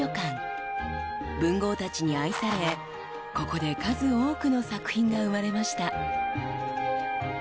［文豪たちに愛されここで数多くの作品が生まれました］